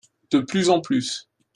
De plus en plus.